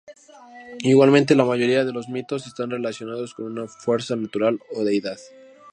Igualmente, la mayoría de los mitos están relacionados con una fuerza natural o deidad.